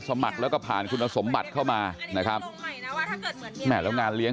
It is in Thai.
ดูท่าทางฝ่ายภรรยาหลวงประธานบริษัทจะมีความสุขที่สุดเลยนะเนี่ย